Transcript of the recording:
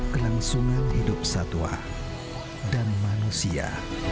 kelangsungan hidup satwa dan manusia